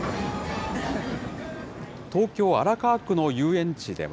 東京・荒川区の遊園地では。